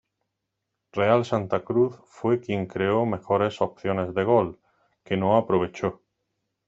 Real Santa Cruz fue quien creó mejores opciones de gol, que no aprovechó.